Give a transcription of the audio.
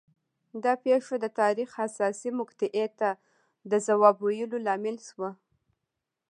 دا پېښه د تاریخ حساسې مقطعې ته د ځواب ویلو لامل شوه